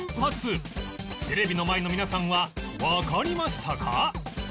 テレビの前の皆さんはわかりましたか？